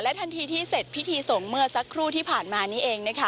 ทันทีที่เสร็จพิธีส่งเมื่อสักครู่ที่ผ่านมานี้เองนะคะ